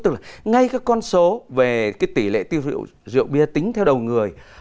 tức là ngay cái con số về cái tỷ lệ tiêu rượu bia tính theo đầu người